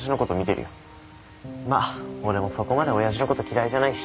まあ俺もそこまで親父のこと嫌いじゃないし。